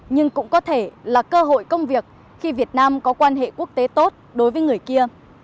nhưng cũng có thể là cơ hội công việc khi việt nam có quan hệ quốc tế tốt đối với người kia